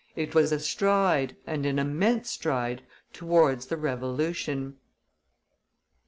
It was a stride, and an immense stride, towards the Revolution.